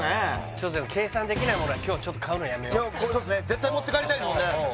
ちょっと計算できないものは今日はちょっと買うのやめよういやこれですね絶対持って帰りたいですもんね